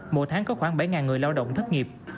mỗi tháng có khoảng bảy người lao động thất nghiệp